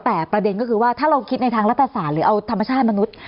แต่ประเด็นก็คือว่าถ้าเราคิดในทางรัฐศาสตร์หรือเอาธรรมชาติมนุษย์